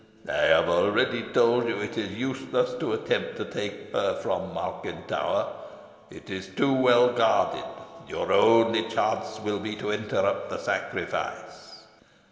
I have already told you it is useless to attempt to take her from Malkin Tower. It is too well guarded. Your only chance will be to interrupt the sacrifice."